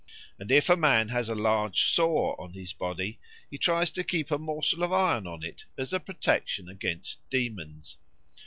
And if a man has a large sore on his body he tries to keep a morsel of iron on it as a protection against demons.